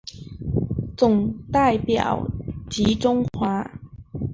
总代表吉钟华。